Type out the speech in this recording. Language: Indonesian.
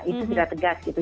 itu sudah tegas gitu